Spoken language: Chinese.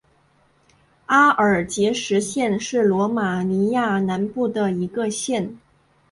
阿尔杰什县是罗马尼亚南部的一个县。